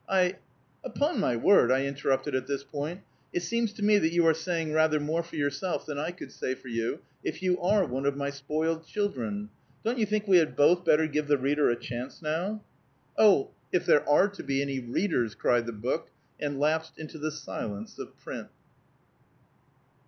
I " "Upon my word," I interrupted at this point, "it seems to me that you are saying rather more for yourself than I could say for you, if you are one of my spoiled children. Don't you think we had both better give the reader a chance, now?" "Oh, if there are to be any readers!" cried the book, and lapsed into the silence of print.